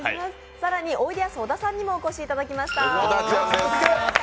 更に、おいでやす小田さんにもお越しいただきました。